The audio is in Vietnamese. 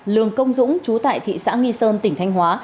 lường công dũng chú tại thị xã nghi sơn tỉnh thanh hóa